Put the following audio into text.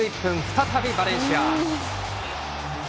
再びバレンシア！